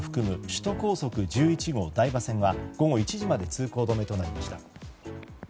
首都高速１１号台場線は午後１時まで通行止めとなりました。